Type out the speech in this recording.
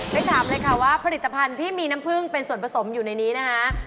ถามเลยค่ะว่าผลิตภัณฑ์ที่มีน้ำผึ้งเป็นส่วนผสมอยู่ในนี้นะคะ